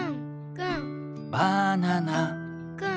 「バナナ！」